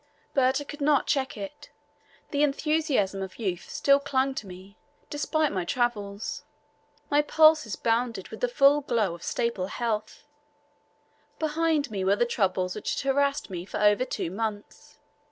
But I could not check it; the enthusiasm of youth still clung to me despite my travels; my pulses bounded with the full glow of staple health; behind me were the troubles which had harassed me for over two months.